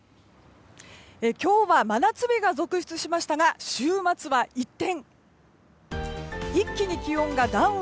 今日は真夏日が続出しましたが、週末は一転。